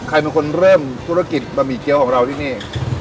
ใครเป็นคนเริ่มธุรกิจบะหมี่เกี้ยวของเราที่นี่